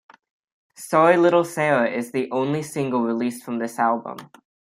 Sorry Little Sarah is the only single released from this album.